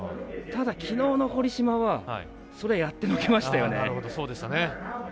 ただ、きのうの堀島はそれをやってのけましたよね。